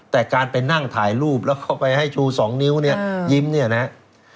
แต่การไปนั่งถ่ายรูปแล้วเข้าไปให้ชู๒นิ้วเนี่ยยิ้มเนี่ยนะครับ